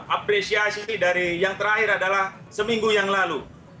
apresiasi dari yang terakhir adalah seminggu yang lalu